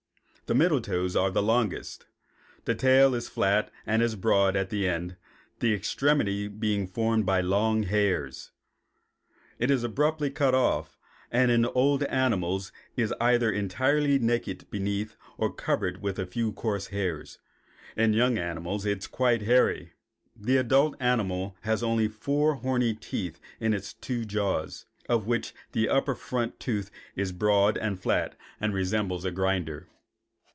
The middle toes are the longest. The tail is flat and is broad at the end, the extremity being formed by long hairs. It is abruptly cut off, and in old animals is either entirely naked beneath or covered with a few coarse hairs. In young animals it is quite hairy. The adult animal has only four horny teeth in its two jaws, of which the upper front tooth is broad and flat and resembles a grinder.